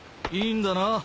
いいんだな？